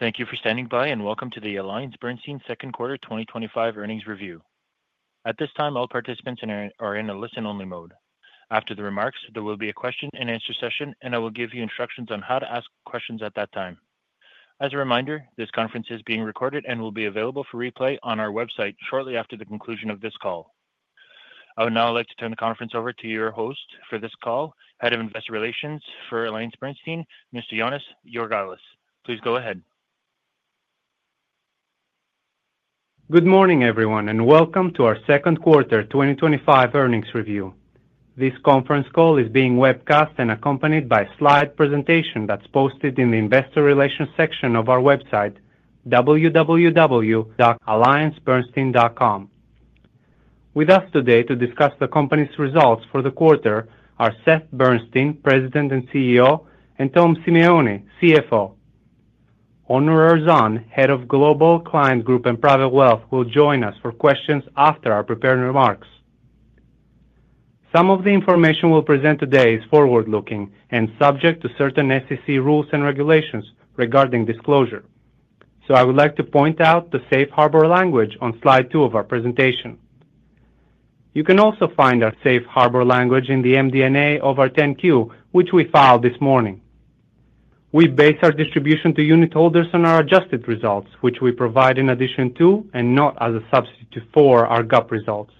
Thank you for standing by, and welcome to the AllianceBernstein Second Quarter twenty twenty five Earnings Review. At this time, all participants are in a listen only mode. After the remarks, there will be a question and answer session, and I will give you instructions on how to ask questions at that time. As a reminder, this conference is being recorded and will be available for replay on our website shortly after the conclusion of this call. I would now like to turn the conference over to your host for this call, Head of Investor Relations for AllianceBernstein, Mr. Jonas Georgales. Please go ahead. Good morning, everyone, and welcome to our second quarter twenty twenty five earnings review. This conference call is being webcast and accompanied by a slide presentation that's posted in the Investor Relations section of our website, www.alliancebernstein.com. With us today to discuss the company's results for the quarter are Seth Bernstein, President and CEO and Tom Simeone, CFO. Honore Arzan, Head of Global Client Group and Private Wealth will join us for questions after our prepared remarks. Some of the information we'll present today is forward looking and subject to certain SEC rules and regulations regarding disclosure. So I would like to point out the Safe Harbor language on Slide two of our presentation. You can also find our Safe Harbor language in the MD and A of our 10 Q, which we filed this morning. We base our distribution to unitholders on our adjusted results, which we provide in addition to and not as a substitute for our GAAP results.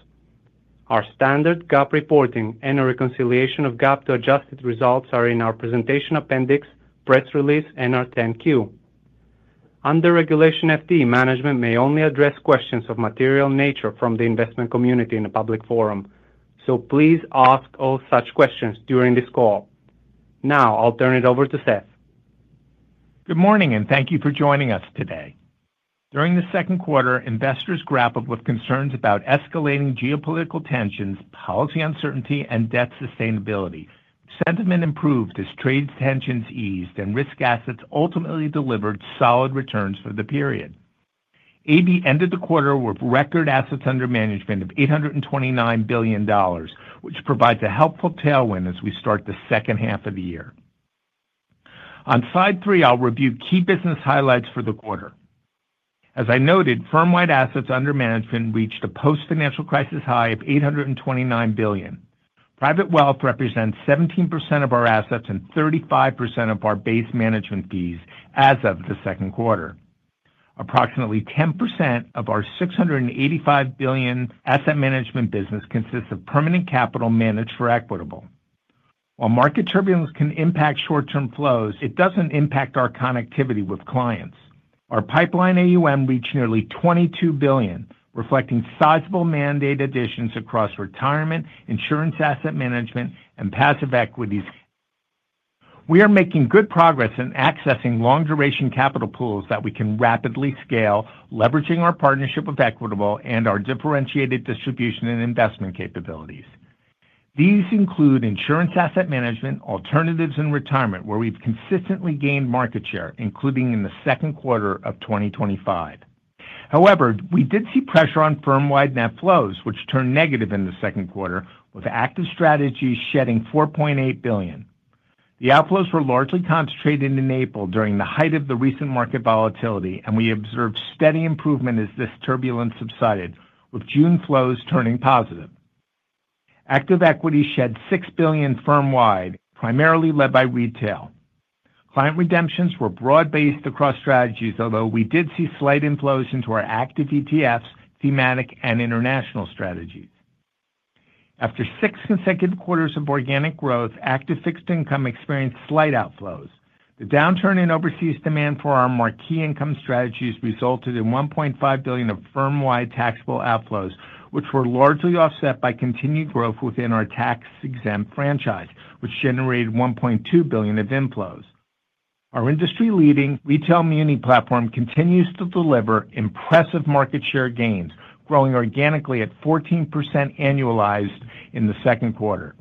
Our standard GAAP reporting and a reconciliation of GAAP to adjusted results are in our presentation appendix, press release and our 10 Q. Under Regulation FD, management may only address questions of material nature from the investment community in a public forum. So please ask all such questions during this call. Now I'll turn it over to Seth. Good morning, and thank you for joining us today. During the second quarter, investors grappled with concerns about escalating geopolitical tensions, policy uncertainty and debt sustainability. Sentiment improved as trade tensions eased and risk assets ultimately delivered solid returns for the period. AB ended the quarter with record assets under management of $829,000,000,000 which provides a helpful tailwind as we start the second half of the year. On Slide three, I'll review key business highlights for the quarter. As I noted, firm wide assets under management reached a post financial crisis high of $829,000,000,000 Private wealth represents 17% of our assets and 35% of our base management fees as of the second quarter. Approximately 10% of our $685,000,000,000 asset management business consists of permanent capital managed for Equitable. While market turbulence can impact short term flows, it doesn't impact our connectivity with clients. Our pipeline AUM reached nearly $22,000,000,000 reflecting sizable mandate additions across retirement, insurance asset management and passive equities. We are making good progress in accessing long duration capital pools that we can rapidly scale, leveraging our partnership with Equitable and our differentiated distribution and investment capabilities. These include insurance asset management, alternatives in retirement, where we've consistently gained market share, including in the second quarter of twenty twenty five. However, we did see pressure on firm wide net flows, which turned negative in the second quarter with active strategies shedding $4,800,000,000 The outflows were largely concentrated in April during the height of the recent market volatility, and we observed steady improvement as this turbulence subsided with June flows turning positive. Active equity shed $6,000,000,000 firm wide, primarily led by retail. Client redemptions were broad based across strategies, although we did see slight inflows into our active ETFs, thematic and international strategies. After six consecutive quarters of organic growth, active fixed income experienced slight outflows. The downturn in overseas demand for our marquee income strategies resulted in 1,500,000,000.0 of firm wide taxable outflows, which were largely offset by continued growth within our tax exempt franchise, which generated $1,200,000,000 of inflows. Our industry leading retail muni platform continues to deliver impressive market share gains, growing organically at 14% annualized in the second quarter.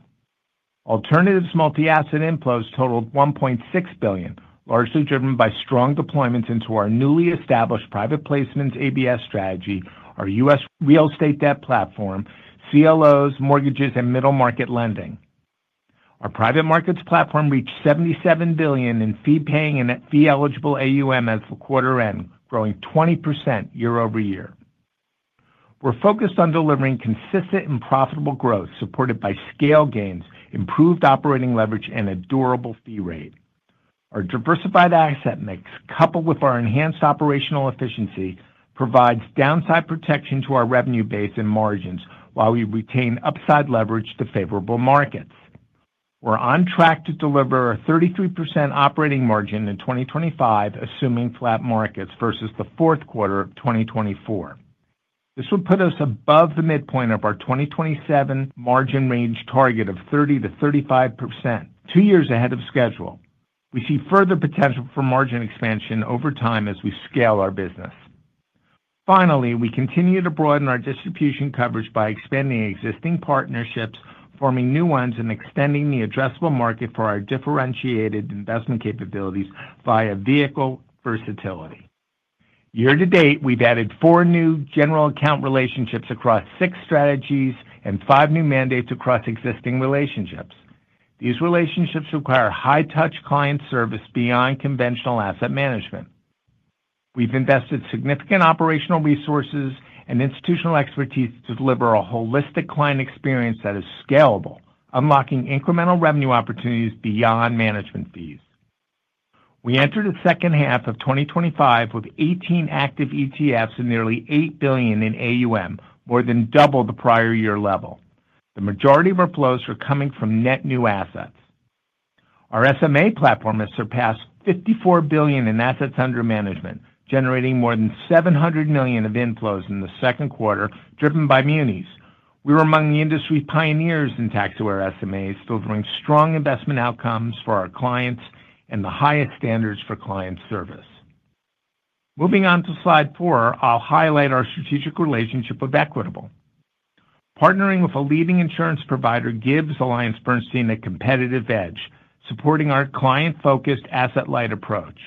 Alternatives multi asset inflows totaled $1,600,000,000 largely driven by strong deployments into our newly established private placements ABS strategy, our U. S. Real estate debt platform, CLOs, mortgages and middle market lending. Our private markets platform reached $77,000,000,000 in fee paying and net fee eligible AUM as of quarter end, growing 20% year over year. We're focused on delivering consistent and profitable growth supported by scale gains, improved operating leverage and a durable fee rate. Our diversified asset mix, coupled with our enhanced operational efficiency, provides downside protection to our revenue base and margins while we retain upside leverage to favorable markets. We're on track to deliver a 33% operating margin in 2025 assuming flat markets versus the fourth quarter of twenty twenty four. This will put us above the midpoint of our 2027 margin range target of 30% to 35%, two years ahead of schedule. We see further potential for margin expansion over time as we scale our business. Finally, we continue to broaden our distribution coverage by expanding existing partnerships, forming new ones and extending the addressable market for our differentiated investment capabilities via vehicle versatility. Year to date, we've added four new general account relationships across six strategies and five new mandates across existing relationships. These relationships require high touch client service beyond conventional asset management. We've invested significant operational resources and institutional expertise to deliver a holistic client experience that is scalable, unlocking incremental revenue opportunities beyond management fees. We entered the 2025 with 18 active ETFs and nearly $8,000,000,000 in AUM, more than double the prior year level. The majority of our flows are coming from net new assets. Our SMA platform has surpassed $54,000,000,000 in assets under management, generating more than $700,000,000 of inflows in the second quarter driven by munis. We were among the industry pioneers in TaxiWare SMAs, delivering strong investment outcomes for our clients and the highest standards for client service. Moving on to Slide four, I'll highlight our strategic relationship with Equitable. Partnering with a leading insurance provider gives AllianceBernstein a competitive edge, supporting our client focused asset light approach.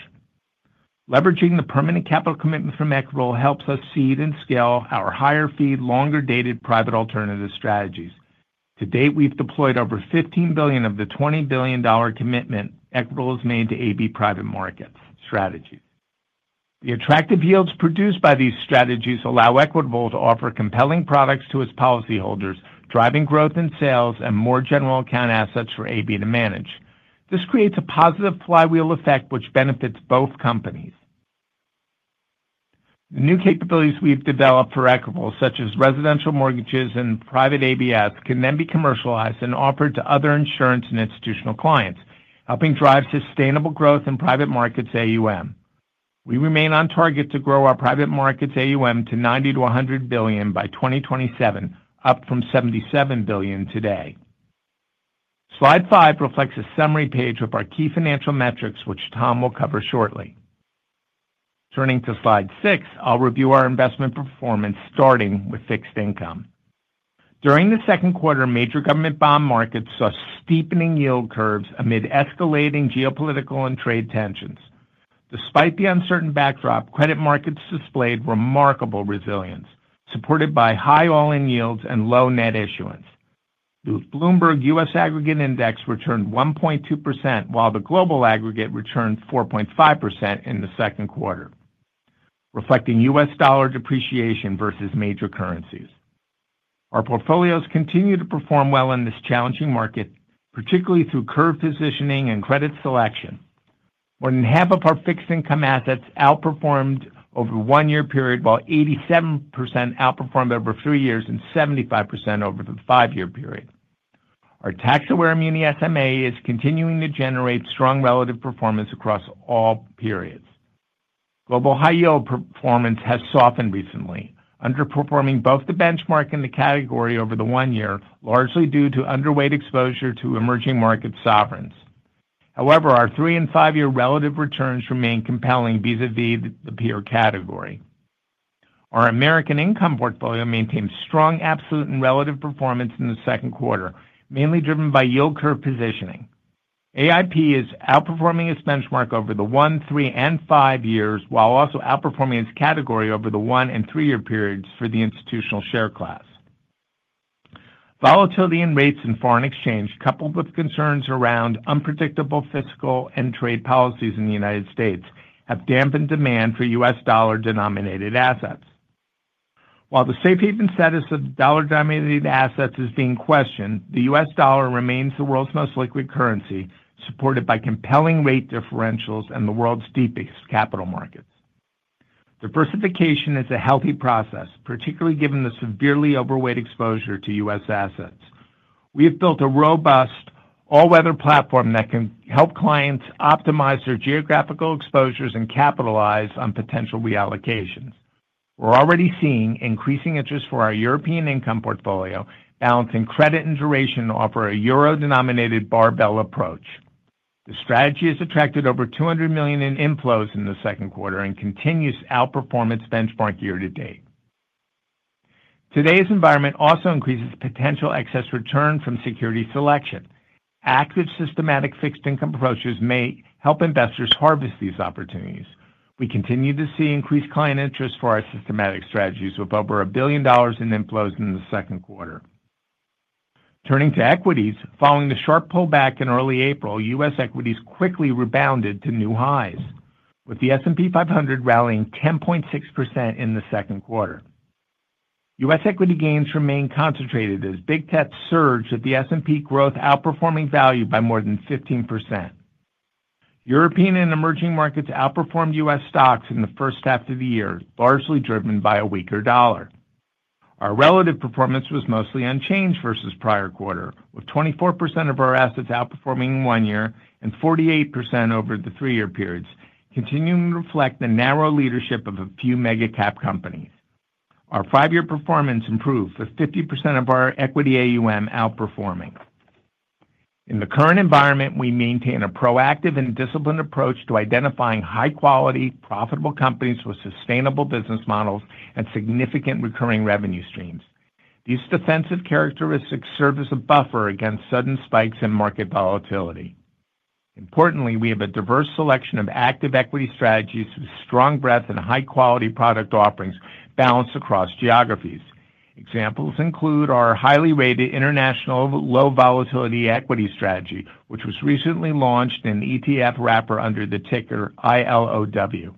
Leveraging the permanent capital commitment from Equitable helps us seed and scale our higher fee, longer dated private alternative strategies. To date, we've deployed over $15,000,000,000 of the $20,000,000,000 commitment Equitable has made to AB private market strategy. The attractive yields produced by these strategies allow Equitable to offer compelling products to its policyholders, driving growth in sales and more general account assets for AB to manage. This creates a positive flywheel effect, which benefits both companies. New capabilities we've developed for Equitable such as residential mortgages and private ABS, can then be commercialized and offered to other insurance and institutional clients, helping drive sustainable growth in private markets AUM. We remain on target to grow our private markets AUM to 90,000,000,000 to $100,000,000,000 by 2027, up from 77 private billion dollars today. Slide five reflects a summary page of our key financial metrics, which Tom will cover shortly. Turning to Slide six, I'll review our investment performance starting with fixed income. During the second quarter, major government bond markets saw steepening yield curves amid escalating geopolitical and trade tensions. Despite the uncertain backdrop, credit markets displayed remarkable resilience, supported by high all in yields and low net issuance. The Bloomberg U. S. Aggregate index returned 1.2%, while the global aggregate returned 4.5% in the second quarter, reflecting U. S. Dollar depreciation versus major currencies. Our portfolios continue to perform well in this challenging market, particularly through curve positioning and credit selection. More than half of our fixed income assets outperformed over one year period, while 87% outperformed over three years and 75% over the five year period. Our tax aware muni SMA is continuing to generate strong relative performance across all periods. Global high yield performance has softened recently, underperforming both the benchmark and the category over the one year, largely due to underweight exposure to emerging market sovereigns. However, our three and five year relative returns remain compelling vis a vis the peer category. Our American Income portfolio maintained strong absolute and relative performance in the second quarter, mainly driven by yield curve positioning. AIP is outperforming its benchmark over the one, three and five years, while also outperforming its category over the one and three year periods for the institutional share class. Volatility in rates and foreign exchange coupled with concerns around unpredictable fiscal and trade policies in The United States have dampened demand for U. S. Dollar denominated assets. While the safe haven status of dollar denominated assets is being questioned, the U. S. Dollar remains the world's most liquid currency supported by compelling rate differentials and the world's deepest capital markets. Diversification is a healthy process, particularly given the severely overweight exposure to U. S. Assets. We have built a robust all weather platform that can help clients optimize their geographical exposures and capitalize on potential reallocations. We're already seeing increasing interest for our European income portfolio, balancing credit and duration to offer a euro denominated barbell approach. The strategy has attracted over $200,000,000 in inflows in the second quarter and continues to outperform its benchmark year to date. Today's environment also increases potential excess return from security selection. Active systematic fixed income approaches may help investors harvest these opportunities. We continue to see increased client interest for our systematic strategies with over $1,000,000,000 in inflows in the second quarter. Turning to equities. Following the sharp pullback in early April, U. S. Equities quickly rebounded to new highs, with the S and P 500 rallying 10.6% in the second quarter. U. S. Equity gains remain concentrated as big caps surged at the S and P growth outperforming value by more than 15%. European and emerging markets outperformed U. S. Stocks in the first half of the year, largely driven by a weaker dollar. Our relative performance was mostly unchanged versus prior quarter with 24% of our assets outperforming one year and 48% over the three year periods, continuing to reflect the narrow leadership of a few mega cap companies. Our five year performance improved with 50% of our equity AUM outperforming. In the current environment, we maintain a proactive and disciplined approach to identifying high quality profitable companies with sustainable business models and significant recurring revenue streams. These defensive characteristics serve as a buffer against sudden spikes in market volatility. Importantly, we have a diverse selection of active equity strategies with strong breadth and high quality product offerings balanced across geographies. Examples include our highly rated international low volatility equity strategy, which was recently launched in ETF wrapper under the ticker ILOW.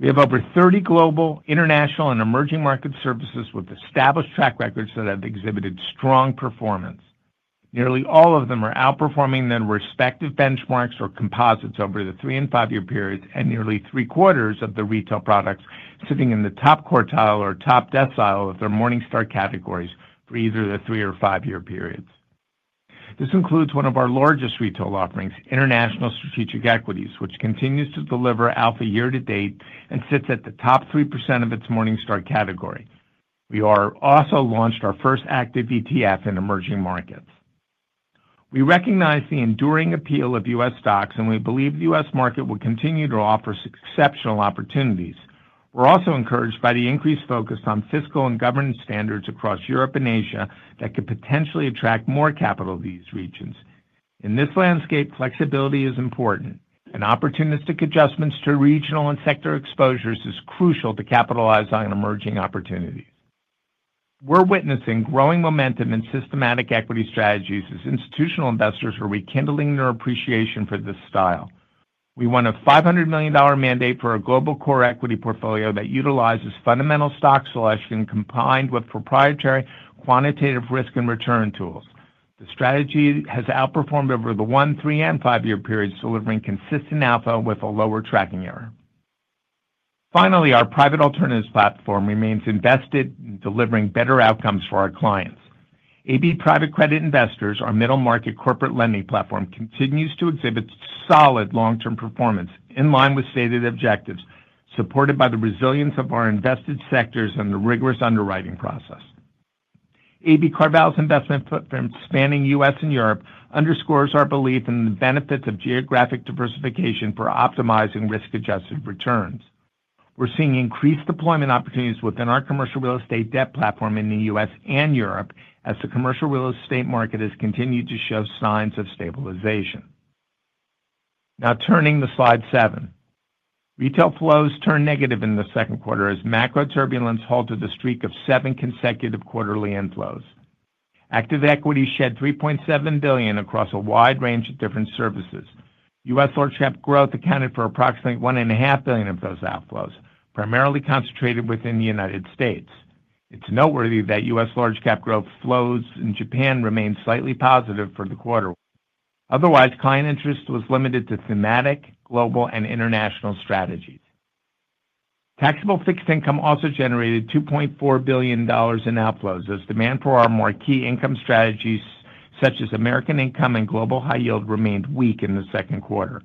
We have over 30 global, international and emerging market services with established track records that have exhibited strong performance. Nearly all of them are outperforming their respective benchmarks or composites over the three and five year period and nearly three quarters of the retail products sitting in the top quartile or top decile of their Morningstar categories for either the three or five year periods. This includes one of our largest retail offerings, International Strategic Equities, which continues to deliver alpha year to date and sits at the top 3% of its Morningstar category. We are also launched our first active ETF in emerging markets. We recognize the enduring appeal of U. S. Stocks, and we believe S. Market will continue to offer exceptional opportunities. We're also encouraged by the increased focus on fiscal and governance standards across Europe and Asia that could potentially attract more capital to these regions. In this landscape, flexibility is important, and opportunistic adjustments to regional and sector exposures is crucial to capitalize on emerging opportunities. We're witnessing growing momentum in systematic equity strategies as institutional investors are rekindling their appreciation for this style. We won a $500,000,000 mandate for a global core equity portfolio that utilizes fundamental stock selection combined with proprietary quantitative risk and return tools. The strategy has outperformed over the one, three and five year periods, delivering consistent alpha with a lower tracking error. Finally, our private alternatives platform remains invested in delivering better outcomes for our clients. AB Private Credit Investors, our middle market corporate lending platform, continues to exhibit solid long term performance, in line with stated objectives, supported by the resilience of our invested sectors and the rigorous underwriting process. A. B. Carval's investment footprint spanning U. And Europe underscores our belief in the benefits of geographic diversification for optimizing risk adjusted returns. We're seeing increased deployment opportunities within our commercial real estate debt platform in The U. S. And Europe as the commercial real estate market has continued to show signs of stabilization. Now turning to Slide seven. Retail flows turned negative in the second quarter as macro turbulence halted the streak of seven consecutive quarterly inflows. Active equity shed $3,700,000,000 across a wide range of different services. U. S. Large cap growth accounted for approximately $1,500,000,000 of those outflows, primarily concentrated within The United States. It's noteworthy that U. S. Large cap growth flows in Japan remained slightly positive for the quarter. Otherwise, client interest was limited to thematic, global and international strategies. Taxable fixed income also generated $2,400,000,000 in outflows as demand for our more key income strategies such as American Income and Global High Yield remained weak in the second quarter.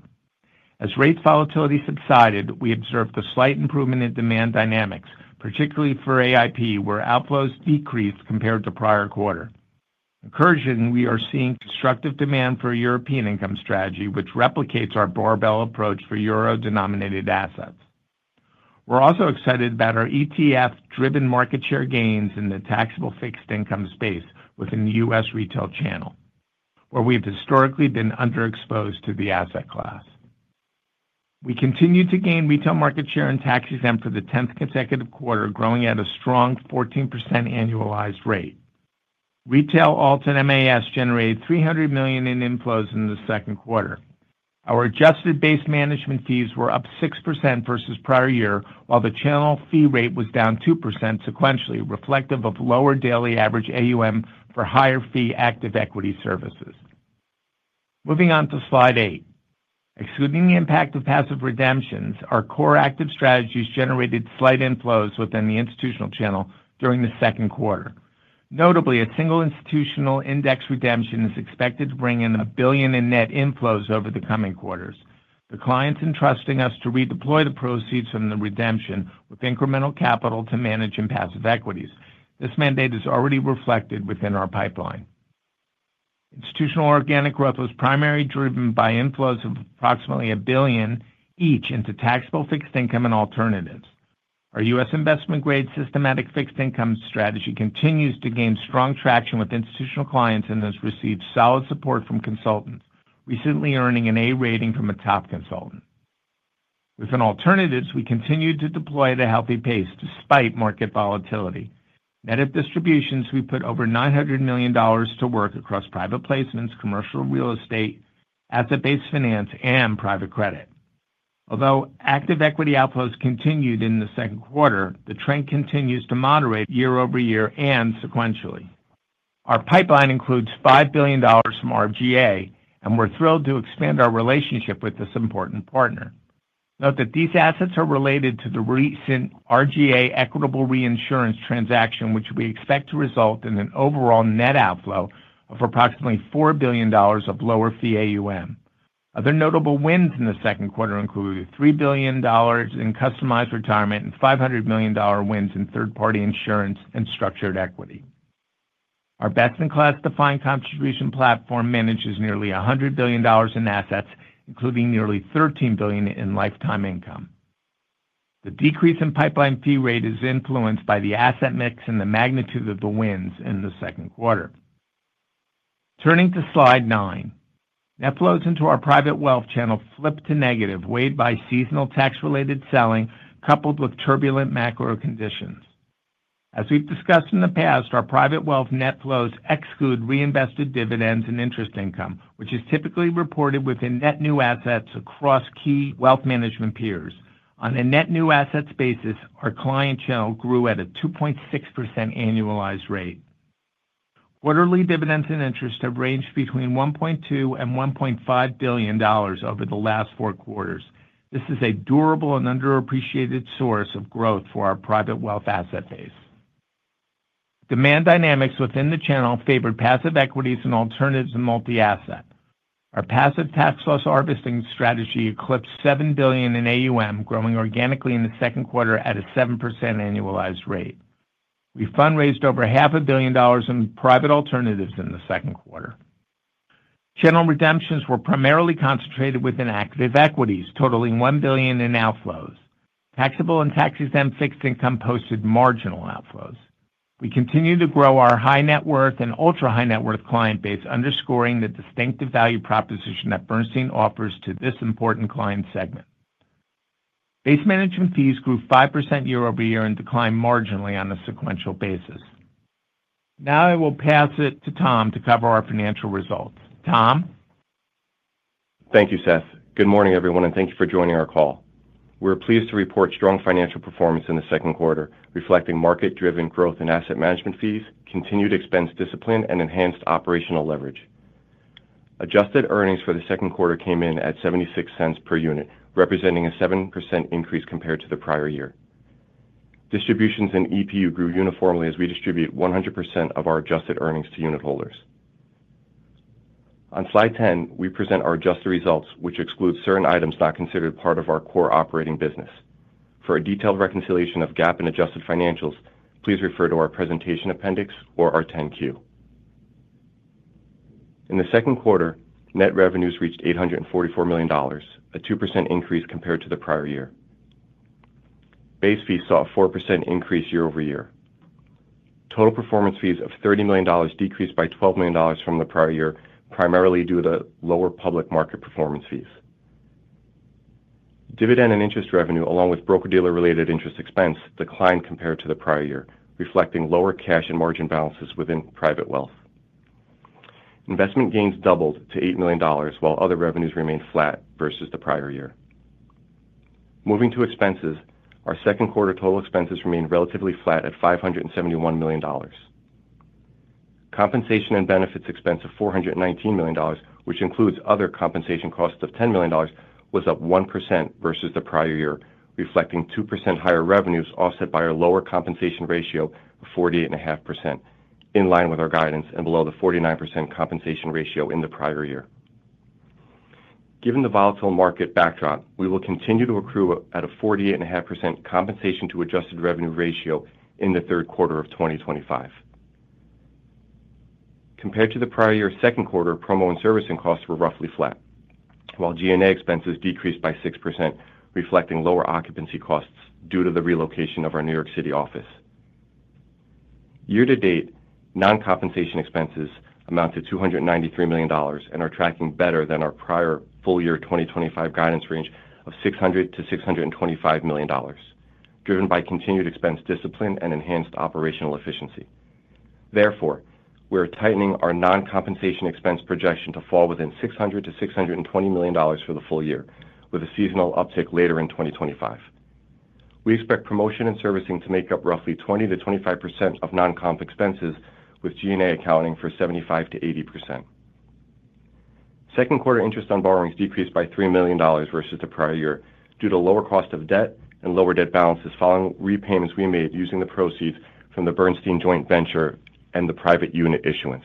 As rate volatility subsided, we observed a slight improvement in demand dynamics, particularly for AIP where outflows decreased compared to prior quarter. In conclusion, we are seeing constructive demand for European income strategy, which replicates our barbell approach for euro denominated assets. We're also excited about our ETF driven market share gains in the taxable fixed income space within The U. S. Retail channel, where we've historically been underexposed to the asset class. We continue to gain retail market share in tax exempt for the tenth consecutive quarter, growing at a strong 14% annualized rate. Retail alt and MAS generated $300,000,000 in inflows in the second quarter. Our adjusted base management fees were up 6% versus prior year, while the channel fee rate was down 2% sequentially, reflective of lower daily average AUM for higher fee active equity services. Moving on to Slide eight. Excluding the impact of passive redemptions, our core active strategies generated slight inflows within the institutional channel during the second quarter. Notably, a single institutional redemption is expected to bring in $1,000,000,000 in net inflows over the coming quarters. The client is entrusting us to redeploy the proceeds from the redemption with incremental capital to manage impassive equities. This mandate is already reflected within our pipeline. Institutional organic growth was primarily driven by inflows of approximately $1,000,000,000 each into taxable fixed income and alternatives. Our U. S. Investment grade systematic fixed income strategy continues to gain strong traction with institutional clients and has received solid support from consultants, recently earning an A rating from a top consultant. Within alternatives, we continue to deploy at a healthy pace despite market volatility. Net of distributions, we put over $900,000,000 to work across private placements, commercial real estate, asset based finance and private credit. Although active equity outflows continued in the second quarter, the trend continues to moderate year over year and sequentially. Our pipeline includes $5,000,000,000 from RGA and we're thrilled to expand our relationship with this important partner. Note that these assets are related to the recent RGA Equitable Reinsurance transaction, which we expect to result in an overall net outflow of approximately $4,000,000,000 of lower fee AUM. Other notable wins in the second quarter included 3,000,000,000 in customized retirement and 500,000,000 wins in third party insurance and structured equity. Our best in class defined contribution platform manages nearly $100,000,000,000 in assets, including nearly $13,000,000,000 in lifetime income. The decrease in pipeline fee rate is influenced by the asset mix and the magnitude of the wins in the second quarter. Turning to Slide nine. Net flows into our private wealth channel flipped to negative, weighed by seasonal tax related selling, coupled with turbulent macro conditions. As we've discussed in the past, our private wealth net flows exclude reinvested dividends and interest income, which is typically reported within net new assets across key wealth management peers. On a net new assets basis, our client channel grew at a 2.6% annualized rate. Quarterly dividends and interest have ranged between 1,200,000,000.0 and $1,500,000,000 over the last four quarters. This is a durable and underappreciated source of growth for our private wealth asset base. Demand dynamics within the channel favored passive equities and alternatives in multi asset. Our passive tax loss harvesting strategy eclipsed $7,000,000,000 in AUM, growing organically in the second quarter at a 7% annualized rate. We fundraised over $05,000,000,000 in private alternatives in the second quarter. General redemptions were primarily concentrated within active equities, totaling $1,000,000,000 in outflows. Taxable and tax exempt fixed income posted marginal outflows. We continue to grow our high net worth and ultra high net worth client base, underscoring the distinctive value proposition that Bernstein offers to this important client segment. Base management fees grew 5% year over year and declined marginally on a sequential basis. Now I will pass it to Tom to cover our financial results. Tom? Thank you, Seth. Good morning, everyone, and thank you for joining our call. We're pleased to report strong financial performance in the second quarter, reflecting market driven growth in asset management fees, continued expense discipline and enhanced operational leverage. Adjusted earnings for the second quarter came in at $0.76 per unit, representing a 7% increase compared to the prior year. Distributions and EPU grew uniformly as we distribute 100% of our adjusted earnings to unitholders. On Slide 10, we present our adjusted results, which exclude certain items not considered part of our core operating business. For a detailed reconciliation of GAAP and adjusted financials, please refer to our presentation appendix or our 10 Q. In the second quarter, net revenues reached $844,000,000 a 2% increase compared to the prior year. Base fees saw a 4% increase year over year. Total performance fees of $30,000,000 decreased by $12,000,000 from the prior year, primarily due to lower public market performance fees. Dividend and interest revenue along with broker dealer related interest expense declined compared to the prior year, reflecting lower cash and margin balances within private wealth. Investment gains doubled to $8,000,000 while other revenues remained flat versus the prior year. Moving to expenses. Our second quarter total expenses remained relatively flat at $571,000,000 Compensation and benefits expense of $419,000,000 which includes other compensation costs of $10,000,000 was up 1% versus the prior year, reflecting 2% higher revenues offset by a lower compensation ratio of 48.5%, in line with our guidance and below the 49% compensation ratio in the prior year. Given the volatile market backdrop, we will continue to accrue at a 48.5% compensation to adjusted revenue ratio in the third quarter of twenty twenty five. Compared to the prior year second quarter, promo and servicing costs were roughly flat, while G and A expenses decreased by 6% reflecting lower occupancy costs due to the relocation of our New York City office. Year to date, non compensation expenses amounted to $293,000,000 and are tracking better than our prior full year 2025 guidance range of 600,000,000 to $625,000,000 driven by continued expense discipline and enhanced operational efficiency. Therefore, we are tightening our non compensation expense projection to fall within 600,000,000 to $620,000,000 for the full year with a seasonal uptick later in 2025. We expect promotion and servicing to make up roughly 20% to 25% of non comp expenses with G and A accounting for 75% to 80%. Second quarter interest on borrowings decreased by $3,000,000 versus the prior year due to lower cost of debt and lower debt balances following repayments we made using the proceeds from the Bernstein joint venture and the private unit issuance.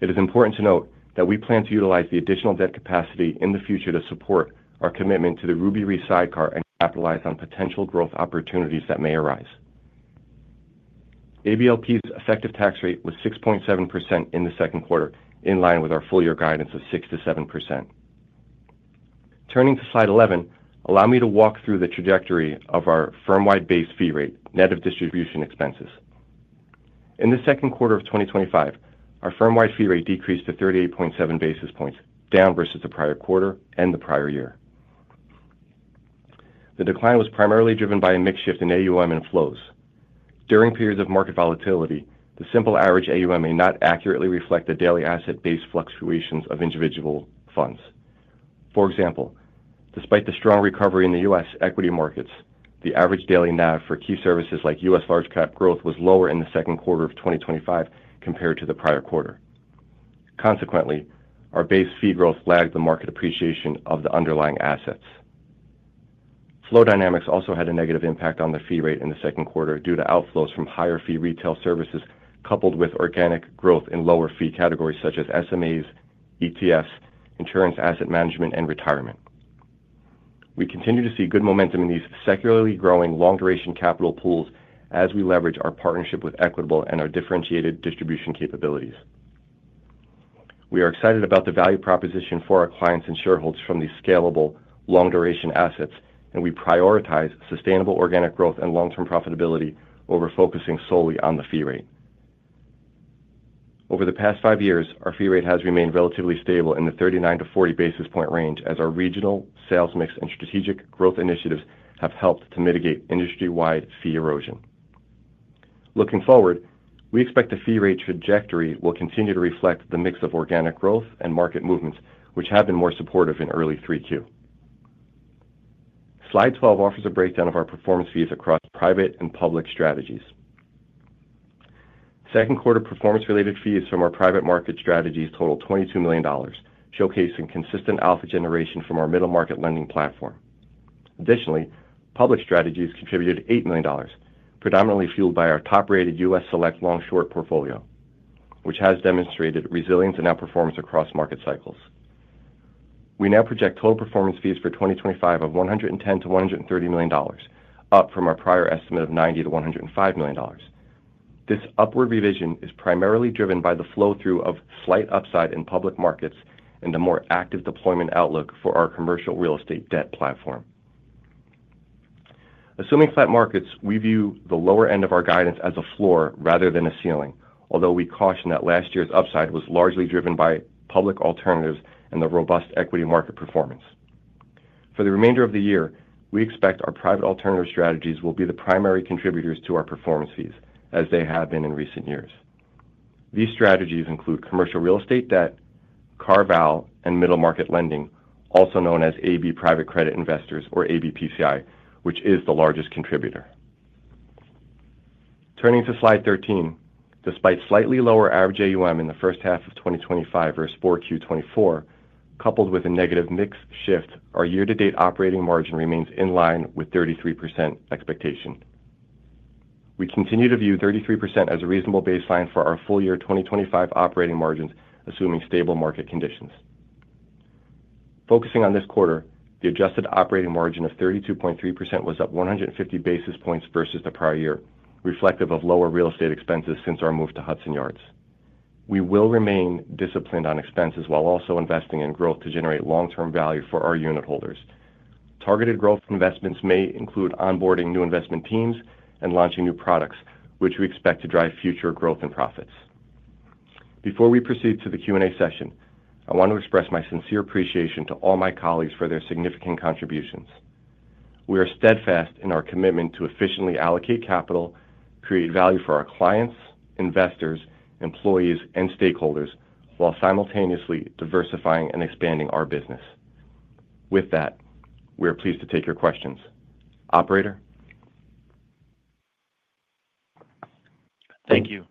It is important to note that we plan to utilize the additional debt capacity in the future to support our commitment to the Ruby Re sidecar and capitalize on potential growth opportunities that may arise. ABLPs effective tax rate was 6.7% in the second quarter, in line with our full year guidance of 6% to 7%. Turning to Slide 11, allow me to walk through the trajectory of our firm wide base fee rate net of distribution expenses. In the second quarter of twenty twenty five, our firm wide fee rate decreased to 38.7 basis points down versus the prior quarter and the prior year. The decline was primarily driven by a mix shift in AUM inflows. During periods of market volatility, the simple average AUM may not accurately reflect the daily asset base fluctuations of individual funds. For example, despite the strong recovery in The U. S. Equity markets, the average daily NAV for key services like U. S. Large cap growth was lower in the 2025 compared to the prior quarter. Consequently, our base fee growth lagged the market appreciation of the underlying assets. Flow dynamics also had a negative impact on the fee rate in the second quarter due to outflows from higher fee retail services coupled with organic growth in lower fee categories such as SMAs, ETFs, insurance asset management and retirement. We continue to see good momentum in these secularly growing long duration capital pools as we leverage our partnership with Equitable and our differentiated distribution capabilities. We are excited about the value proposition for our clients and shareholders from these scalable long duration assets and we prioritize sustainable organic growth and long term profitability over focusing solely on the fee rate. Over the past five years, our fee rate has remained relatively stable in the 39 to 40 basis point range as our regional sales mix and strategic growth initiatives have helped to mitigate industry wide fee erosion. Looking forward, we expect the fee rate trajectory will continue to reflect the mix of organic growth and market movements, which have been more supportive in early 3Q. Slide 12 offers a breakdown of our performance fees across private and public strategies. Second quarter performance related fees from our private market strategies totaled $22,000,000 showcasing consistent alpha generation from our middle market lending platform. Additionally, public strategies contributed $8,000,000 predominantly fueled by our top rated U. S. Select long short portfolio, which has demonstrated resilience and outperformance across market cycles. We now project total performance fees for 2025 of 110,000,000 to $130,000,000 up from our prior estimate of 90,000,000 to $105,000,000 This upward revision is primarily driven by the flow through of slight upside in public markets and a more active deployment outlook for our commercial real estate debt platform. Assuming flat markets, we view the lower end of our guidance as a floor rather than a ceiling, although we caution that last year's upside was largely driven by public alternatives and the robust equity market performance. For the remainder of the year, we expect our private alternative strategies will be the primary contributors to our performance fees as they have been in recent years. These strategies include commercial real estate debt, carve out and middle market lending, also known as AB Private Credit Investors or AB PCI, which is the largest contributor. Turning to Slide 13. Despite slightly lower average AUM in the 2025 versus 4Q twenty twenty four, coupled with a negative mix shift, our year to date operating margin remains in line with 33% expectation. We continue to view 33% as a reasonable baseline for our full year 2025 operating margins assuming stable market conditions. Focusing on this quarter, the adjusted operating margin of 32.3% was up 150 basis points versus the prior year, reflective of lower real estate expenses since our move to Hudson Yards. We will remain disciplined on expenses while also investing in growth to generate long term value for our unitholders. Targeted growth investments may include onboarding new investment teams and launching new products, which we expect to drive future growth and profits. Before we proceed to the Q and A session, I want to express my sincere appreciation to all my colleagues for their significant contributions. We are steadfast in our commitment to efficiently allocate capital, create value for our clients, investors, employees and stakeholders, while simultaneously diversifying and expanding our business. With that, we are pleased to take your questions. Operator? Thank you.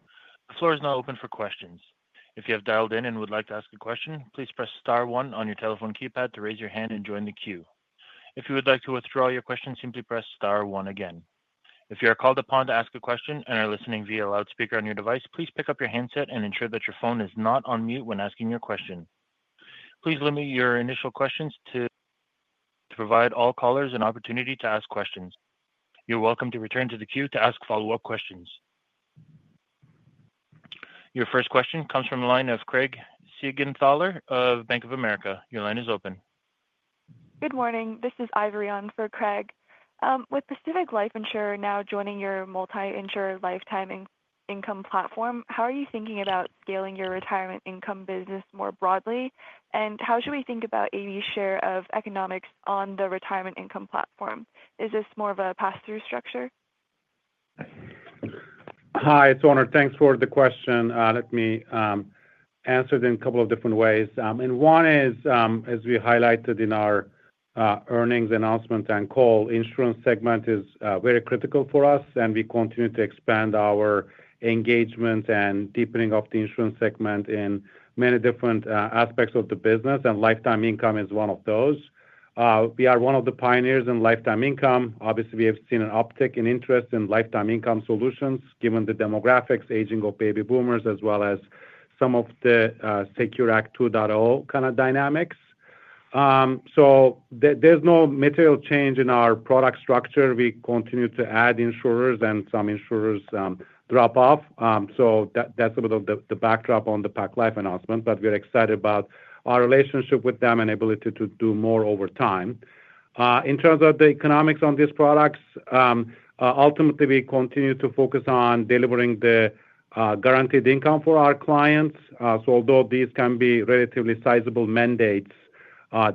The floor is now open for questions. Your first session. Question comes from the line of Craig Siegenthaler of Bank of America. Your line is open. Good morning. This is Ivory on for Craig. With Pacific Life insurer now joining your multi insurer lifetime income platform, how are you thinking about scaling your retirement income business more broadly? And how should we think about AV share of economics on the retirement income platform? Is this more of a pass through structure? Hi, it's Onur. Thanks for the question. Let me answer it in a couple of different ways. And one is, as we highlighted in our earnings announcement and call, insurance segment is very critical for us and we continue to expand our engagement and deepening of the insurance segment in many different aspects of the business and lifetime income is one of those. We are one of the pioneers in lifetime income. Obviously, have seen an uptick in interest in lifetime income solutions given the demographics aging of baby boomers as well as some of the Secure Act two point zero kind of dynamics. So there's no material change in our product structure. We continue to add insurers and some insurers drop off. So that's a bit of the backdrop on the Pac Life announcement, but we're excited about our relationship with them and ability to do more over time. In terms of the economics on these products, ultimately we continue to focus on delivering the guaranteed income for our clients. So although these can be relatively sizable mandates,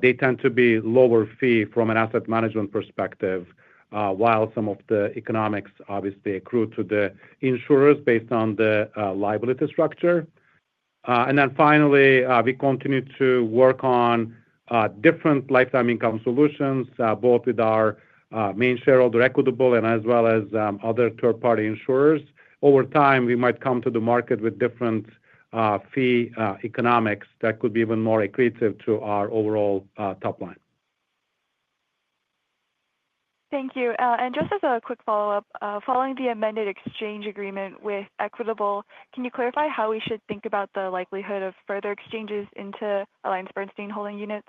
they tend to be lower fee from an asset management perspective, while some of the economics obviously accrue to the insurers based on the liability structure. And then finally, we continue to work on different lifetime income solutions, both with our main shareholder equitable and as well as other third party insurers. Over time, we might come to the market with different fee economics that could be even more accretive to our overall top line. Thank you. And just as a quick follow-up, following the amended exchange agreement with Equitable, can you clarify how we should think about the likelihood of further exchanges into AllianceBernstein holding units?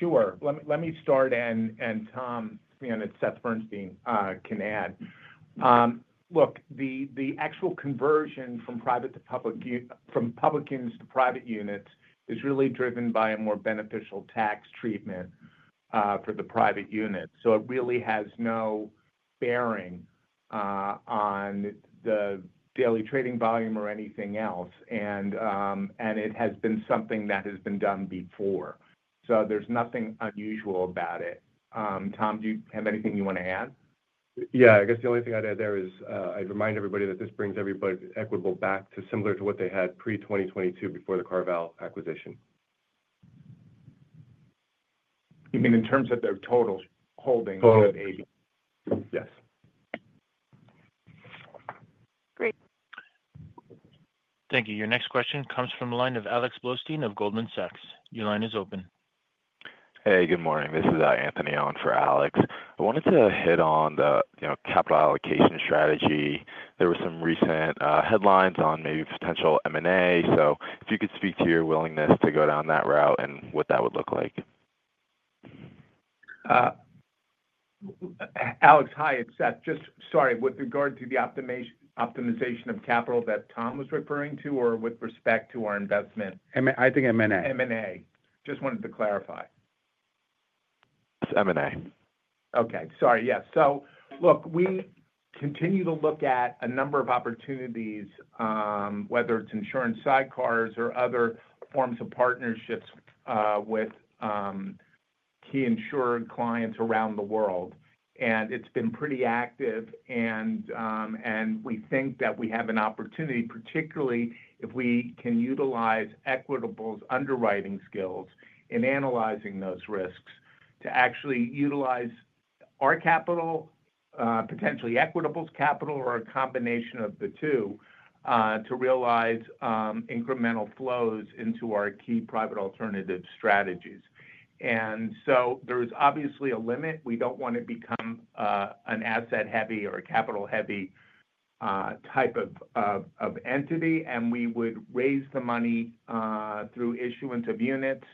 Sure. Let me start and Tom, it's Seth Bernstein, can add. Look, the actual conversion from private to public from public units to private units is really driven by a more beneficial tax treatment, for the private unit. So it really has no bearing, on the daily trading volume or anything else. And it has been something that has been done before. So there's nothing unusual about it. Tom, do you have anything you want to add? Yes. I guess the only thing I'd add there is, I'd remind everybody that this brings everybody Equitable back to similar to what they had pre-twenty twenty two before the CarVal acquisition. You mean in terms of their total holdings? Total, yes. Thank you. Your next question comes from the line of Alex Blostein of Goldman Sachs. Your line is open. Hey, good morning. This is Anthony on for Alex. I wanted to hit on the capital allocation strategy. There were some recent headlines on maybe potential M and A. So if you could speak to your willingness to go down that route and what that would look like? Alex, hi, it's Seth. Just sorry, with regard to the optimization of capital that Tom was referring to or with respect to our investment? I think M and A. M and A. Just wanted to clarify. It's M and A. Okay. Sorry, yes. So look, we continue to look at a number of opportunities, whether it's insurance sidecars or other forms of partnerships with key insured clients around the world. And it's been pretty active. And we think that we have an opportunity, particularly if we can utilize Equitable's underwriting skills in analyzing those risks to actually utilize our capital, potentially Equitable's capital or a combination of the two, to realize, incremental flows into our key private alternative strategies. And so there is obviously a limit. We don't want to become an asset heavy or a capital heavy type of entity, and we would raise the money through issuance of units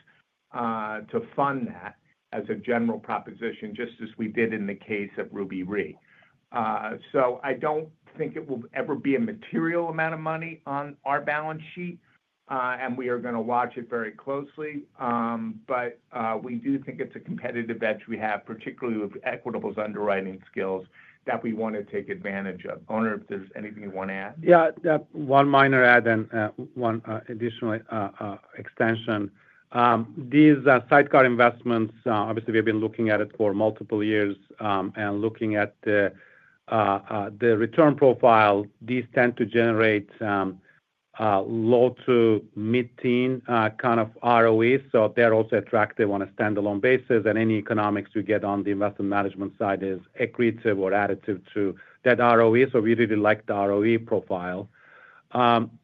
to fund that as a general proposition, just as we did in the case of Ruby Re. So I don't think it will ever be a material amount of money on our balance sheet, and we are going to watch it very closely. But we do think it's a competitive edge we have, particularly with Equitable's underwriting skills that we want to take advantage of. I don't know if there's anything you want to add. Yes. One minor add and one additional extension. These sidecar investments, obviously, we have been looking at it for multiple years and looking at the return profile, these tend to generate low to mid teen kind of ROE. So they're also attractive on a standalone basis and any economics we get on the investment management side is accretive or additive So we really like the ROE profile,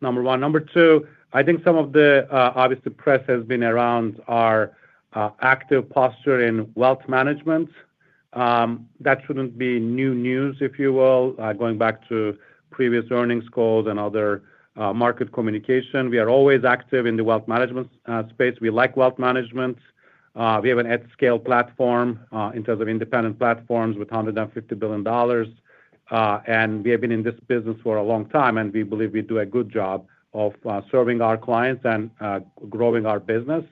number one. Number two, I think some of the obvious the press has been around our active posture in wealth management. That shouldn't be new news if you will going back to previous earnings calls and other market communication. We are always active in the wealth management space. We like wealth management. We have an at scale platform in terms of independent platforms with $150,000,000,000 And we have been in this business for a long time and we believe we do a good job of serving our clients and growing our business.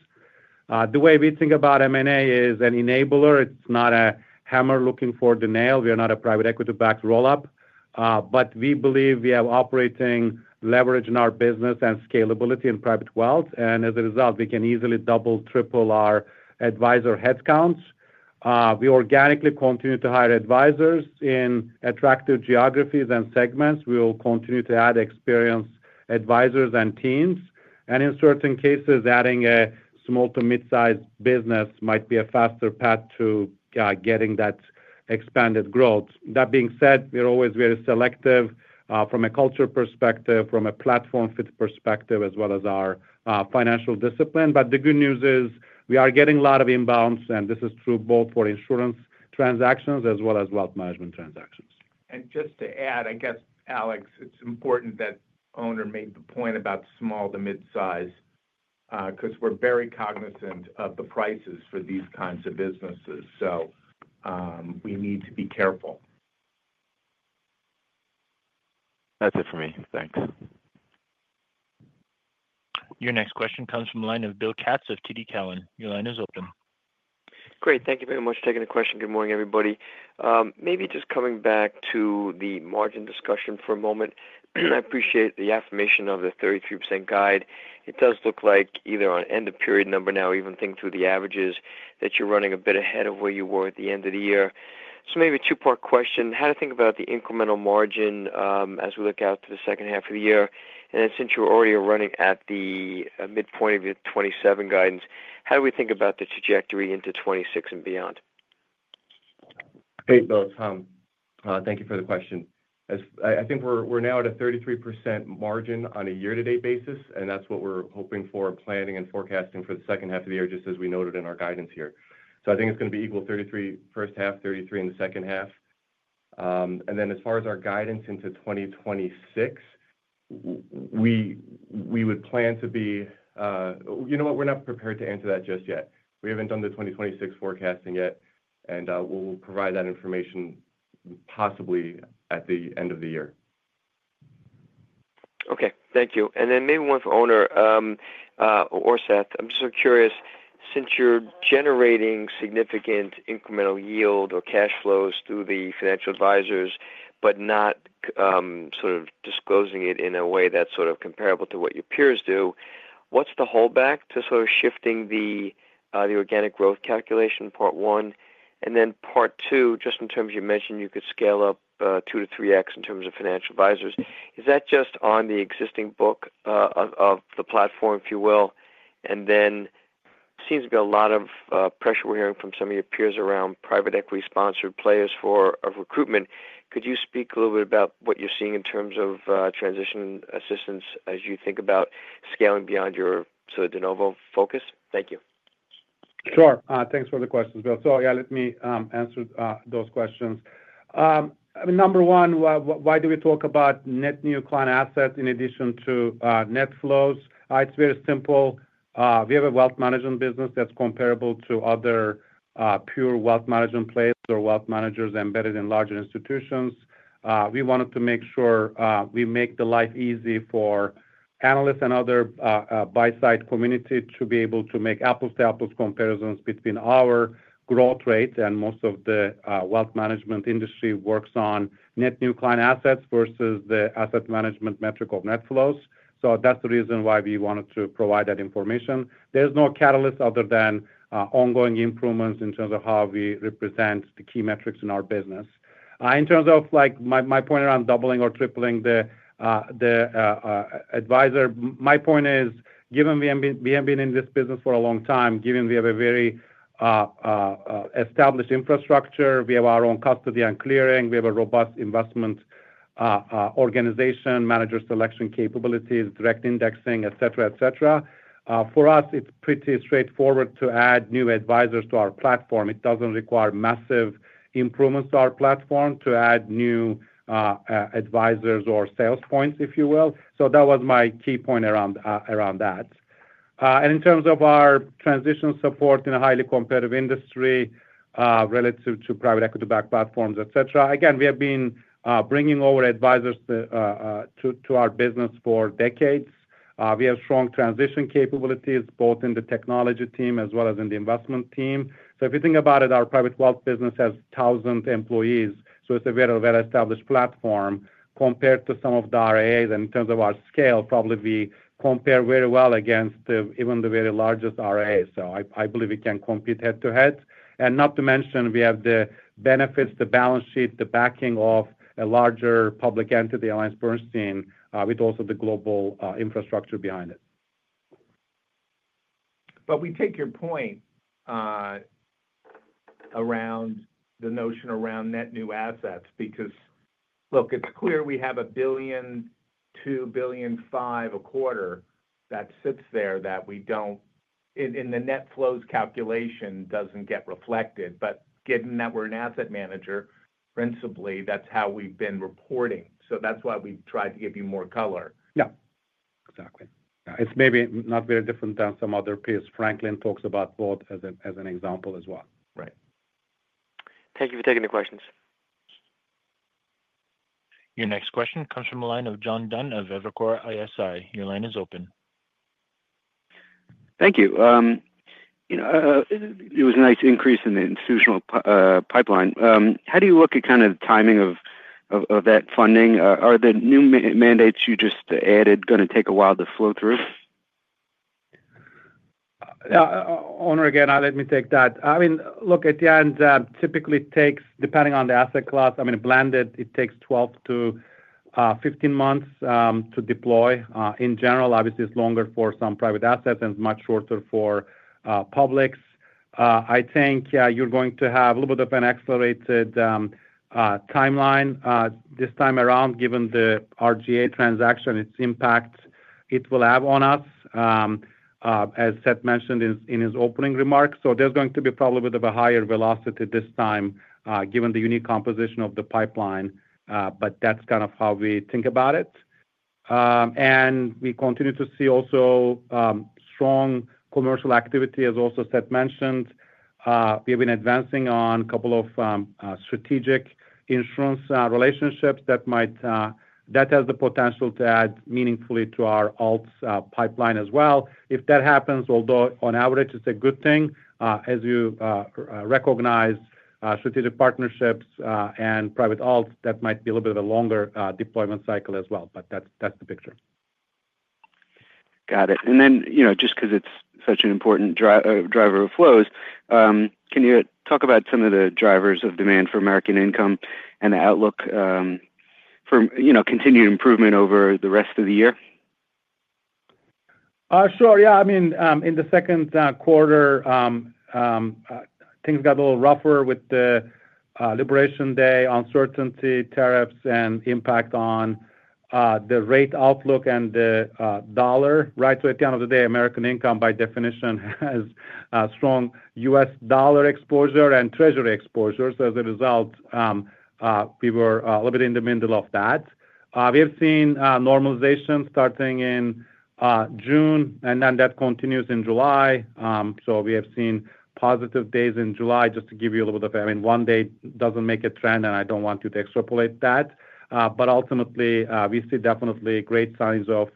The way we think about M and A is an enabler. It's not a hammer looking for the nail. We are not a private equity backed roll up. But we believe we have operating leverage in our business and scalability in private wealth. And as a result, we can easily double, triple our advisor headcounts. We organically continue to hire advisors in attractive geographies and segments. We will continue to add experienced advisors and teams. And in certain cases, adding a small to midsize business might be a faster path to getting that expanded growth. That being said, we're always very selective from a culture perspective, from a platform fit perspective as well as our financial discipline. But the good news is we are getting a lot of inbounds, and this is true both for insurance transactions as well as wealth management transactions. And just to add, I guess, Alex, it's important that Owner made the point about small to midsize because we're very cognizant of the prices for these kinds of businesses. So, we need to be careful. That's it for me. Thanks. Your next question comes from the line of Bill Katz of TD Cowen. Your line is open. Great. Thank you very much for taking the question. Good morning, everybody. Maybe just coming back to the margin discussion for a moment. I appreciate the affirmation of the 33% guide. It does look like either on end of period number now even think through the averages that you're running a bit ahead of where you were at the end of the year. So maybe a two part question. How to think about the incremental margin as we look out the second half of the year? And then since you're already running at the midpoint of your '27 guidance, how do we think about the trajectory into 2026 and beyond? Hey, Bill, it's Tom. Thank you for the question. I think we're now at a 33% margin on a year to date basis, and that's what we're hoping for planning and forecasting for the second half of the year, just as we noted in our guidance here. So I think it's going to be equal thirty three percent first half, thirty three percent in the second half. And then as far as our guidance into 2026, we would plan to be, you know what, we're not prepared to answer that just yet. We haven't done the 2026 forecasting yet, and we'll provide that information possibly at the end of the year. Okay. Thank you. And then maybe one for Omer or Seth. I'm so curious since you're generating significant incremental yield or cash flows through the financial advisors, but not sort of disclosing it in a way that's sort of comparable to what your peers do. What's the holdback to sort of shifting the organic growth calculation part one? And then part two, just in terms you mentioned you could scale up two to 3x in terms of financial advisors. Is that just on the existing book of the platform if you will? And then seems to be a lot of pressure we're hearing from some of your peers around private equity sponsored players for recruitment. Could you speak a little bit about what you're seeing in terms of transition assistance as you think about scaling beyond your sort of de novo focus? Thank you. Sure. Thanks for the questions, Bill. So yes, let me answer those questions. I mean, number one, why do we talk about net new client assets in addition to net flows? It's very simple. We have a wealth management business that's comparable to other pure wealth management players or wealth managers embedded in larger institutions. We wanted to make sure we make the life easy for analysts and other, buy side community to be able to make apples to apples comparisons between our growth rates and most of the wealth management industry works on net new client assets versus the asset management metric of net flows. So that's the reason why we wanted to provide that information. There's no catalyst other than ongoing improvements in terms of how we represent the key metrics in our business. In terms of like my point around doubling or tripling the advisor, my point is given we have been in this business for a long time, given we have a very established infrastructure, we have our own custody and clearing, we have a robust investment organization, manager selection capabilities, direct indexing, etcetera, etcetera. For us, it's pretty straightforward to add new advisors to our platform. It doesn't require massive improvements to our platform to add new advisors or sales points, if you will. So that was my key point around that. And in terms of our transition support in a highly competitive industry relative to private equity backed platforms, etcetera, again, have been bringing over advisers to our business for decades. We have strong transition capabilities both in the technology team as well as in the investment team. So if you think about it, our private wealth business has 1,000 employees. So it's a very well established platform compared to some of the RIAs in terms of our scale probably we compare very well against even the very largest RIAs. So I believe we can compete head to head. And not to mention we have the benefits, the balance sheet, the backing of a larger public entity AllianceBernstein with also the global infrastructure behind it. But we take your point around the notion around net new assets because look it's clear we have $1.21.0.5 dollars a quarter that sits there that we don't in the net flows calculation doesn't get reflected. But given that we're an asset manager principally, that's how we've been reporting. So that's why we tried to give you more color. Yes, exactly. It's maybe not very different than some other peers. Franklin talks about both as an example as well. Right. Thank you for taking the questions. Your next question comes from the line of John Dunn of Evercore ISI. Your line is open. Thank you. It was a nice increase in the institutional pipeline. How do you look at kind of timing of that funding? Are the new mandates you just added going to take a while to flow through? Onur, again, let me take that. I mean, look, at the end, typically, takes depending on the asset class, I mean, blended, it takes twelve to fifteen months to deploy. In general, obviously, it's longer for some private assets and much shorter for publics. I think you're going to have a little bit of an accelerated time line this time around given the RGA transaction, its impact it will have on us, as Seth mentioned in his opening remarks. So there's going to be probably a bit of a higher velocity this time given the unique composition of the pipeline, but that's kind of how we think about it. And we continue to see also strong commercial activity as also Seth mentioned. We have been advancing on a couple of strategic insurance relationships that might that has the potential to add meaningfully to our alts pipeline as well. If that happens, although on average it's a good thing, as you recognize strategic partnerships and private alts that might be a little bit of a longer deployment cycle as well. But that's the picture. Got it. And then just because it's such an important driver of flows, can you talk about some of the drivers of demand for American Income and the outlook from continued improvement over the rest of the year? Sure. Yes. I mean, in the second quarter, things got a little rougher with the Liberation Day, uncertainty, tariffs and impact on the rate outlook and the dollar, right? So at the end of the day, American Income by definition has strong U. S. Dollar exposure and treasury exposure. So as a result, we were a little bit in the middle of that. We have seen normalization starting in June and then that continues in July. So we have seen positive days in July, just to give you a little bit of I mean, one day doesn't make a trend and I don't want you to extrapolate that. But ultimately, we see definitely great signs of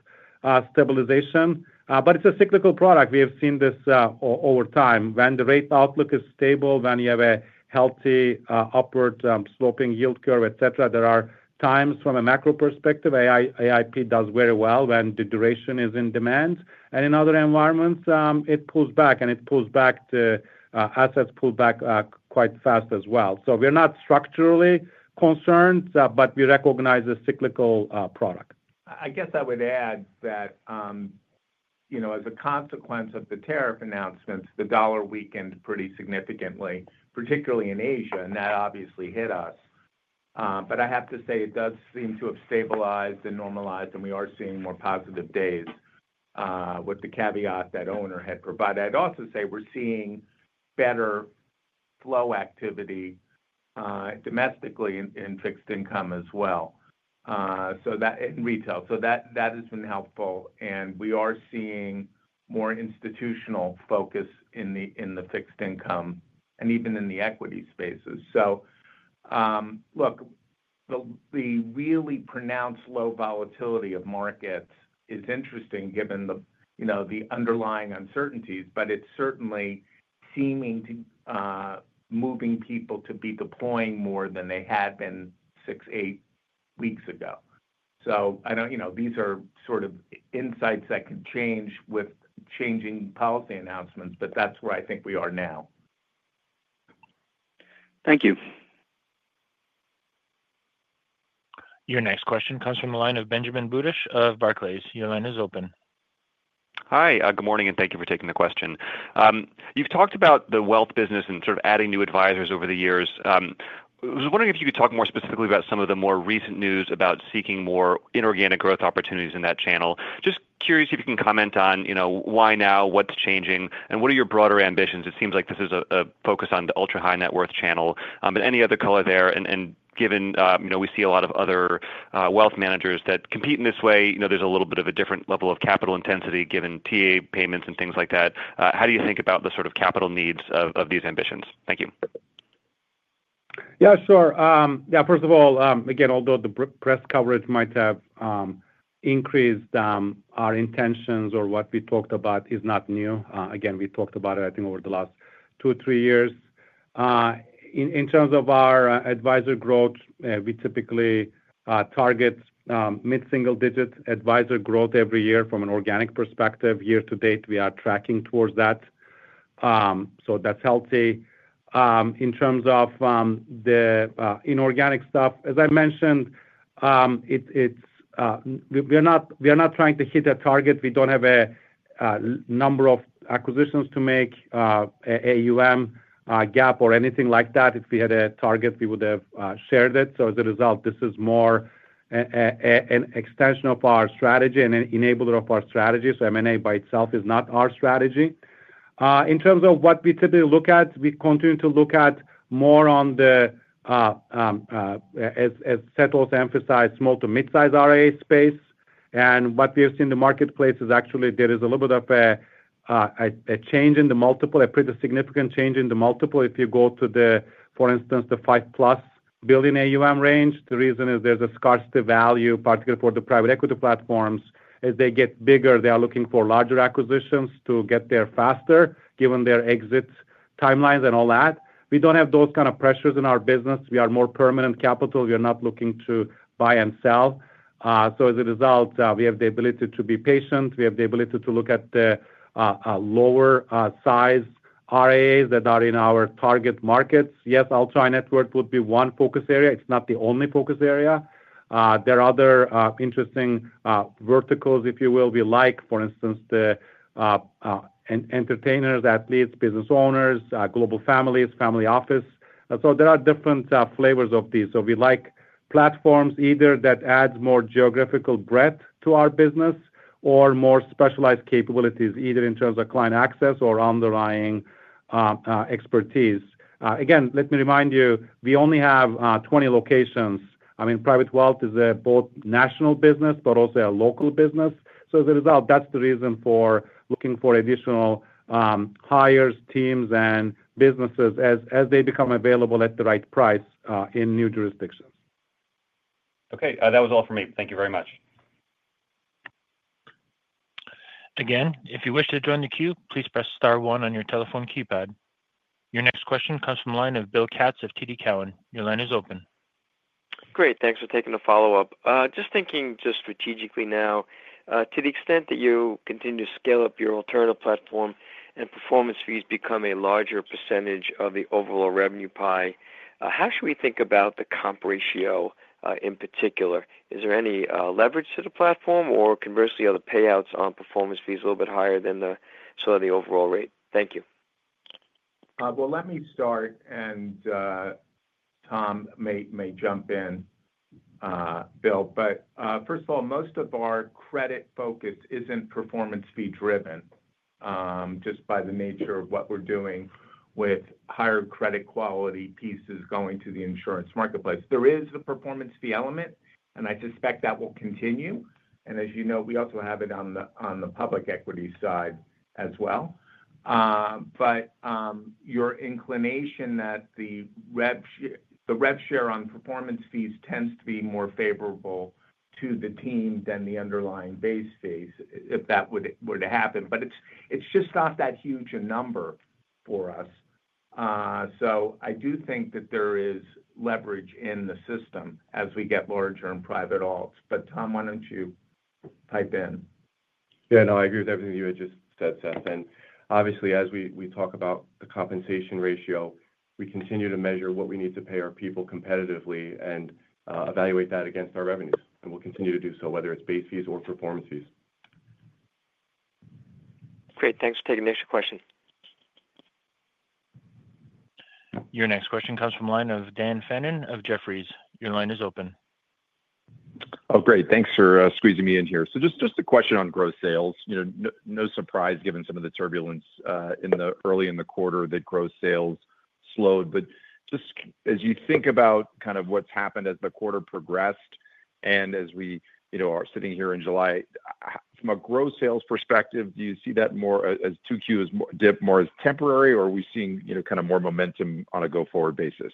stabilization. But it's a cyclical product. We have seen this over time. When the rate outlook is stable, when you have a healthy upward sloping yield curve, etcetera, there are times from a macro perspective, AIP does very well when the duration is in demand. And in other environments, it pulls back and it pulls back to assets pull back quite fast as well. So we are not structurally concerned, but we recognize a cyclical product. I guess I would add that as a consequence of announcements, the dollar weakened pretty significantly, particularly in Asia, and that obviously hit us. But I have to say it does seem to have stabilized and normalized, and we are seeing more positive days with the caveat that owner had provided. I'd also say we're seeing better flow activity domestically in fixed income as well, that in retail. So that has been helpful. And we are seeing more institutional focus in the fixed income and even in the equity spaces. So, look, the really pronounced low volatility of markets is interesting given the underlying uncertainties, but it's certainly seeming to moving people to be deploying more than they had been six, eight weeks ago. So I don't these are sort of insights that can change with changing policy announcements, but that's where I think we are now. Thank you. Your next question comes from the line of Benjamin Butish of Barclays. Your line is open. Hi. Good morning and thank you for taking the question. You've talked about the wealth business and sort of adding new advisors over the years. I was wondering if you could talk more specifically about some of the more recent news about seeking more inorganic growth opportunities in that channel. Just curious if you can comment on why now, what's changing and what are your broader ambitions? It seems like this is a focus on the ultra high net worth channel. Any other color there? And given we see a lot of other wealth managers that compete in this way, there's a little bit of a different level of capital intensity given TA payments and things like that. How do you think about the sort of capital needs of these ambitions? Thank you. Yes, sure. Yes, first of all, again, although the press coverage might have increased our intentions or what we talked about is not new. Again, we talked about it I think over the last two, three years. In terms of our advisor growth, we typically target mid single digit advisor growth every year from an organic perspective. Year to date, we are tracking towards that. So that's healthy. In terms of the inorganic stuff, as I mentioned, it's we are not trying to hit a target. We don't have a number of acquisitions to make AUM GAAP or anything like that. If we had a target, we would have shared it. So as a result, this is more an extension of our strategy and an enabler of our strategy. So M and A by itself is not our strategy. In terms of what we typically look at, we continue to look at more on the Seth was emphasized small to midsize RIA space. And what we have seen in the marketplace is actually there is a little bit of a change in the multiple, pretty significant change in the multiple if you go to the, for instance, the 5,000,000,000 plus AUM range. The reason is there's a scarcity value, particularly for the private equity platforms. As they get bigger, they are looking for larger acquisitions to get there faster given their exit timelines and all that. We don't have those kind of pressures in our business. We are more permanent capital. We are not looking to buy and sell. So as a result, we have the ability to be patient. We have the ability to look at the lower size RIAs that are in our target markets. Yes, ultra high network would be one focus area. It's not the only focus area. There are other interesting verticals, if you will, we like for instance, the entertainers, athletes, business owners, global families, family office. So there are different flavors of these. So we like platforms either that adds more geographical breadth to our business or more specialized capabilities either in terms of client access or underlying expertise. Again, let me remind you, we only have 20 locations. Private Wealth is both national business, but also a local business. So as a result, that's the reason for looking for additional hires, teams and businesses as they become available at the right price in new jurisdictions. Okay. That was all for me. Thank you very much. Your next question comes from the line of Bill Katz of TD Cowen. Your line is open. Great. Thanks for taking the follow-up. Just thinking just strategically now to the extent that you continue to scale up your alternative platform and performance fees become a larger percentage of the overall revenue pie, how should we think about the comp ratio in particular? Is there any leverage to the platform? Or conversely, are the payouts on performance fees a little bit higher than the sort of the overall rate? Thank you. Well, let me start and Tom may jump in, Bill. But, first of all, most of our credit focus isn't performance fee driven, just by the nature of what we're doing with higher credit quality pieces going to the insurance marketplace. There is a performance fee element, and I suspect that will continue. And as you know, we also have it on the public equity side as well. But your inclination that the rev share on performance fees tends to be more favorable to the team than the underlying base fees, if that were to happen. But it's just not that huge a number for us. So I do think that there is leverage in the system as we get larger in private alts. But Tom, why don't you type in? Yeah. No, I agree with everything you had just said Seth. And obviously, as we talk about the compensation ratio, we continue to measure what we need to pay our people competitively and evaluate that against our revenues. And we'll continue to do so, whether it's base fees or performance fees. Great. Thanks for taking the next question. Your next question comes from the line of Dan Fannon of Jefferies. Your line is open. Great. Thanks for squeezing me in here. So just a question on gross sales. No surprise given some of the turbulence in the early in the quarter that gross sales slowed. But just as you think about kind of what's happened as the quarter progressed and as we are sitting here in July, from a gross sales perspective, do you see that more as 2Q is dip more as temporary? Or are we seeing kind of more momentum on a go forward basis?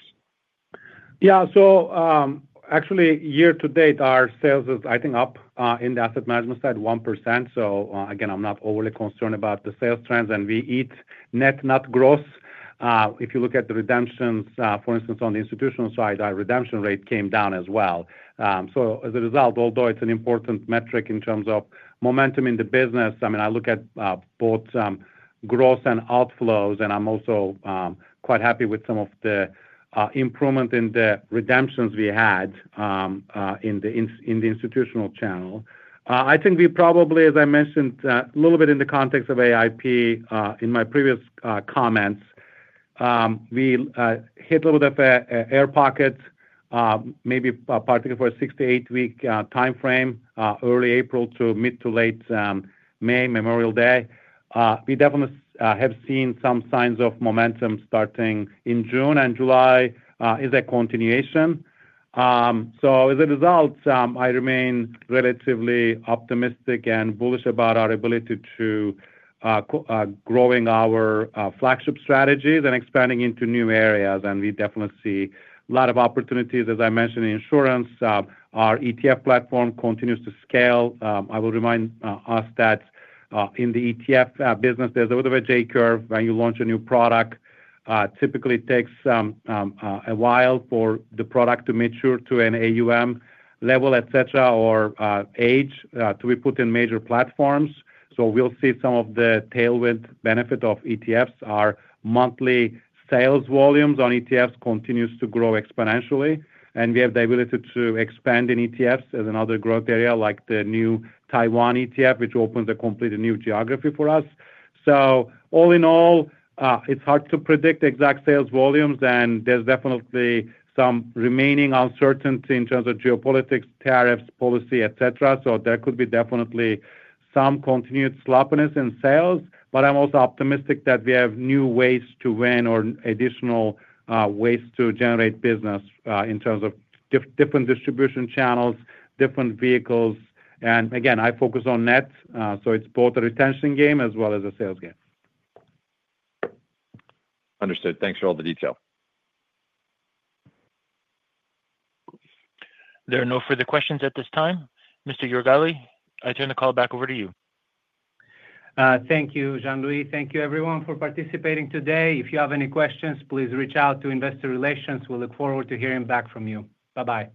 Yes. So actually, year to date, our sales is, think, up in the Asset Management side 1%. So again, I'm not overly concerned about the sales trends and we eat net net gross. If you look at the redemptions for instance on the institutional side, our redemption rate came down as well. So as a result, although it's an important metric in terms of momentum in the business, I mean, look at both gross and outflows, and I'm also quite happy with some of the improvement in the redemptions we had in the institutional channel. I think we probably, as I mentioned, a little bit in the context of AIP in my previous comments, we hit a little bit of air pockets, maybe partly for a six to eight week timeframe early April to mid to late May Memorial Day. We definitely have seen some signs of momentum starting in June and July is a continuation. So as a result, I remain relatively optimistic and bullish about our ability to growing our flagship strategies and expanding into new areas. And we definitely see a lot of opportunities as I mentioned in insurance. Our ETF platform continues to scale. I will remind us that in the ETF business there's a little of a J curve when you launch a new product. Typically, it takes a while for the product to mature to an AUM level, etcetera, or age to be put in major platforms. So we'll see some of the tailwind benefit of ETFs. Our monthly sales volumes on ETFs continues to grow exponentially. And we have the ability to expand in ETFs as another growth area like the new Taiwan ETF, which opens a completely new geography for us. So all in all, it's hard to predict exact sales volumes and there's definitely some remaining uncertainty in terms of geopolitics, tariffs, policy, etcetera. So there could be definitely some continued sloppiness in sales. But I'm also optimistic that we have new ways to win or additional ways to generate business in terms of different distribution channels, different vehicles. And again, I focus on net, so it's both the retention game as well as the sales game. Understood. Thanks for all the detail. There are no further questions at this time. Mr. Yugali, I turn the call back over to you. Thank you, Jean Louis. Thank you, everyone, for participating today. If you have any questions, please reach out to Investor Relations. We look forward to hearing back from you. Bye bye.